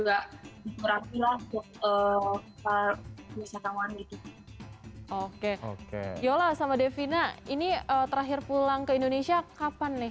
diperhatilah untuk para wisatawan gitu oke yola sama devina ini terakhir pulang ke indonesia kapan nih